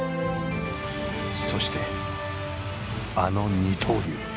そしてあの二刀流。